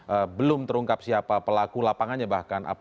eee belum terungkap siapa pelaku lapangannya bahkan